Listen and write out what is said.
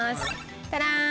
タラーン。